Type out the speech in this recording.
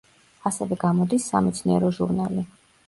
ასევე გამოდის სამეცნიერო ჟურნალი.